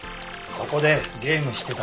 ここでゲームしてた。